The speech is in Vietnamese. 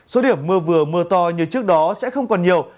số điểm mưa vừa mưa to như trước đó sẽ không còn nhiều